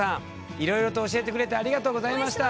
いろいろと教えてくれてありがとうございました。